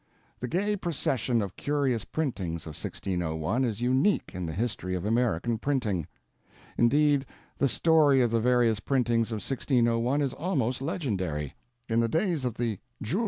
The gay procession of curious printings of 1601 is unique in the history of American printing. Indeed, the story of the various printings of 1601 is almost legendary. In the days of the "jour."